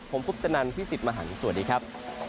ผมคุปตนันพี่สิทธิ์มหันฯสวัสดีครับ